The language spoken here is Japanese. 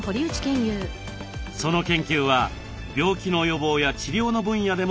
その研究は病気の予防や治療の分野でも進んでいます。